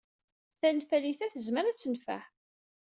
Tanfalit-a tezmer ad tenfeɛ.